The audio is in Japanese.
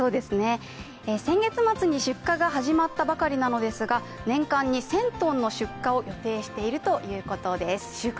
先月末に出荷が始まったばかりなのですが、年間に１０００ｔの出荷を予定しているということです。